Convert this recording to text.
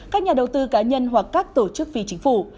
các nhà đầu tư cá nhân hoặc các tổ chức phi chính phủ